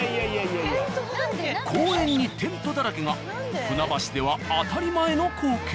公園にテントだらけが船橋では当たり前の光景。